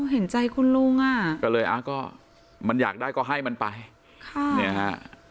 เห็นใจคุณลุงอ่ะก็เลยอ่ะก็มันอยากได้ก็ให้มันไปค่ะเนี่ยฮะ